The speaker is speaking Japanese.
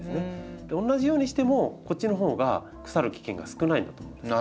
同じようにしてもこっちのほうが腐る危険が少ないんだと思うんですよね。